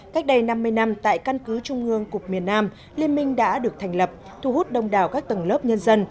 cách đây năm mươi năm tại căn cứ trung ương cục miền nam liên minh đã được thành lập thu hút đông đảo các tầng lớp nhân dân